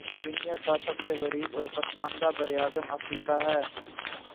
دنیا کا سب سے غریب اور پسماندہ براعظم افریقہ ہے